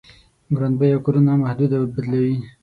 ګران بيه کورونو محدوده بدلوي.